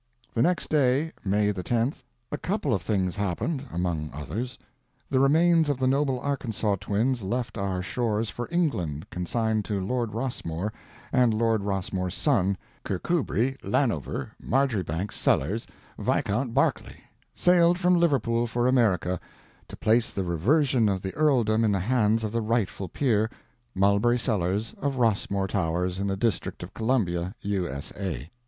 The next day, May the tenth, a couple of things happened—among others. The remains of the noble Arkansas twins left our shores for England, consigned to Lord Rossmore, and Lord Rossmore's son, Kirkcudbright Llanover Marjoribanks Sellers Viscount Berkeley, sailed from Liverpool for America to place the reversion of the earldom in the hands of the rightful peer, Mulberry Sellers, of Rossmore Towers in the District of Columbia, U. S. A.